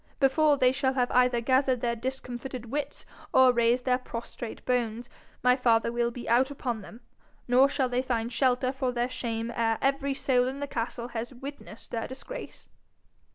Before they shall have either gathered their discomfited wits or raised their prostrate bones, my father will be out upon them, nor shall they find shelter for their shame ere every soul in the castle has witnessed their disgrace.'